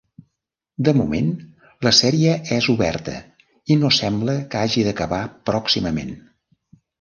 De moment, la sèrie és oberta i no sembla que hagi d'acabar pròximament.